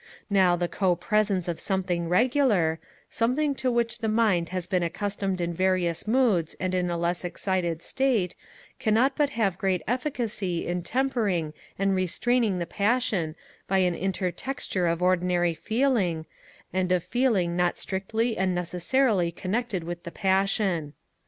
Now the co presence of something regular, something to which the mind has been accustomed in various moods and in a less excited state, cannot but have great efficacy in tempering and restraining the passion by an inter texture of ordinary feeling, and of feeling not strictly and necessarily connected with the passion.